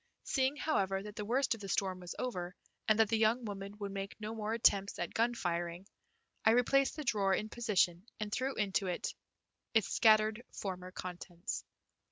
Seeing, however, that the worst of the storm was over, and that the young woman would make no more attempts at gun firing, I replaced the drawer in position and threw into it its scattered former contents.